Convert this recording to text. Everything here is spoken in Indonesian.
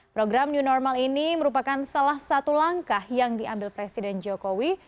program new normal ini merupakan salah satu langkah yang diambil presiden jokowi